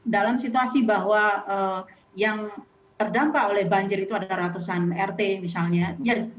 dalam situasi bahwa yang terdampak oleh banjir itu ada ratusan rt misalnya